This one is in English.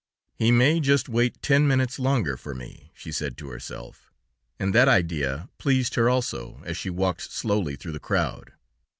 "He may just wait ten minutes longer for me," she said to herself. And that idea pleased her also as she walked slowly through the crowd.